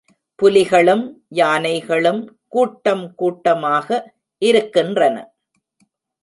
புலிகளும், யானைகளும் கூட்டம் கூட்டமாக இருக்கின்றன.